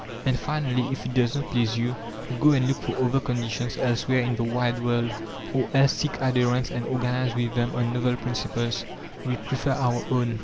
"And finally, if it does not please you, go and look for other conditions elsewhere in the wide world, or else seek adherents and organize with them on novel principles. We prefer our own."